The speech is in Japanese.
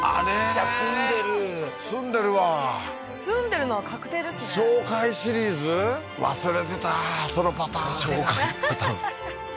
じゃあ住んでる住んでるわ住んでるのは確定ですね紹介シリーズ？忘れてたそのパターン紹介パターンははははっ